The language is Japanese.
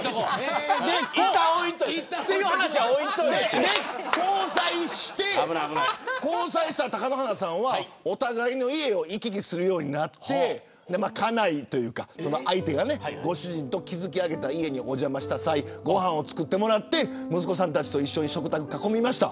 それで交際した貴乃花さんはお互いの家を行き来するようになって家内というか相手がご主人と築き上げた家にお邪魔した際にご飯を作ってもらって息子さんたちと食卓を囲みました。